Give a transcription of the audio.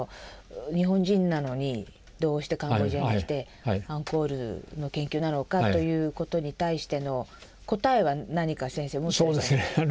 日本人なのにどうしてカンボジアに来てアンコールの研究なのかということに対しての答えは何か先生持ってらっしゃった？